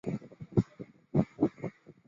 腺萼越桔为杜鹃花科越桔属下的一个种。